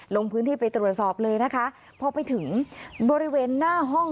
ลงพื้นที่ไปตรวจสอบเลยนะคะพอไปถึงบริเวณหน้าห้อง